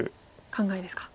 考えですか。